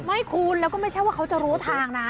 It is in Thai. ไม่คุณแล้วก็ไม่ใช่ว่าเขาจะรู้ทางนะ